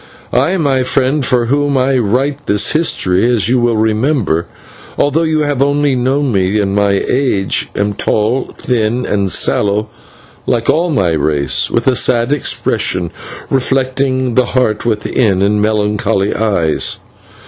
I, as you, my friend, for whom I write this history, will remember, although you have only known me in my age, am tall, thin, and sallow, like all my race, with a sad expression reflecting the heart within, and melancholy eyes.